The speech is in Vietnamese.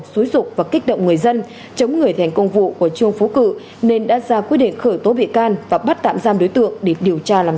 xúi dục và kích động người dân chống người thành công vụ của trương phú cự nên đã ra quyết định khởi tố bị can và bắt tạm giam đối tượng để điều tra làm rõ